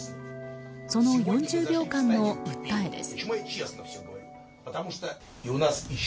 その４０秒間の訴えです。